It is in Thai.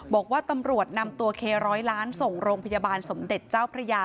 บอกว่าตำรวจนำตัวเคร้อยล้านส่งโรงพยาบาลสมเด็จเจ้าพระยา